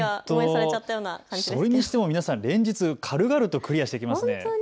それにしても皆さん、連日軽々とクリアしていきますね。